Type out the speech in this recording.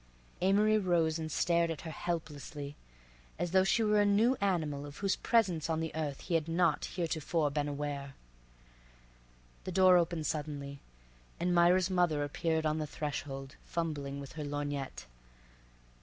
Amory rose and stared at her helplessly, as though she were a new animal of whose presence on the earth he had not heretofore been aware. The door opened suddenly, and Myra's mother appeared on the threshold, fumbling with her lorgnette.